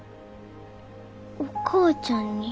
お母ちゃんに。